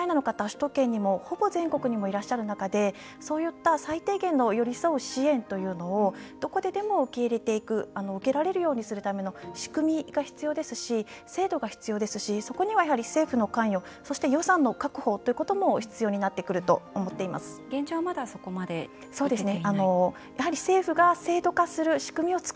首都圏、ほぼ全国にもいらっしゃる中でそういった最低限の寄り添う支援というのをどこでも受け入れていく受けられるようにするための仕組みが必要ですし、制度が必要ですしそこには政府の関与そして、予算の確保が現状はまだそこまで行き届いていないということですか？